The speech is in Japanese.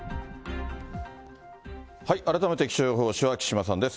改めて気象予報士の木島さんです。